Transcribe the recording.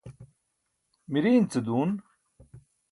miriin ce duun